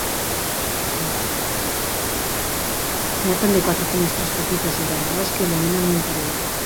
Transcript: Hi ha també quatre finestres petites i allargades que il·luminen l'interior.